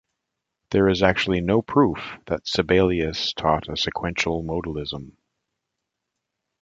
There is actually no proof that Sabellius taught a sequential modalism.